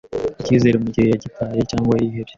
ikizere mu gihe yagitaye cyangwa yihebye